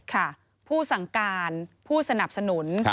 ผู้สั่งการผู้สนับสนุน